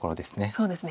そうですね。